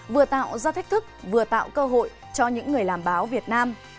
vừa tạo ra thách thức vừa tạo cơ hội cho những người làm báo việt nam